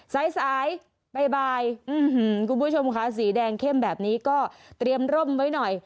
สายสายบ่ายคุณผู้ชมค่ะสีแดงเข้มแบบนี้ก็เตรียมร่มไว้หน่อย